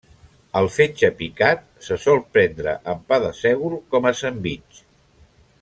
El fetge picat se sol prendre amb pa de sègol com a sandvitx.